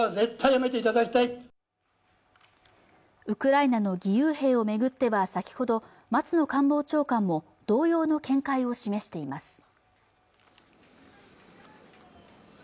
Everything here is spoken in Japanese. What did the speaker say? ウクライナの義勇兵を巡っては先ほど松野官房長官も同様の見解を示しています